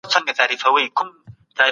احمد شاه ابدالي څنګه د کرني ملاتړ کاوه؟